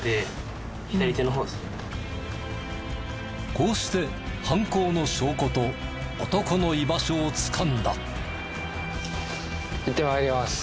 こうして犯行の証拠と男の居場所をつかんだ。